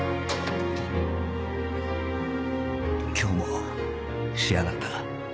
今日も仕上がった